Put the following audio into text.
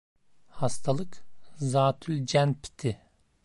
Hastalık zatülcenpti.